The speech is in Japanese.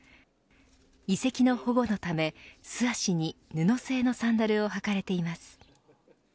遺跡の保護のため素足に布製のサンダルを履かれています。